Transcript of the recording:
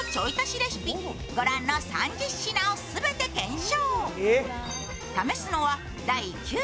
レシピ御覧の３０品をすべて検証。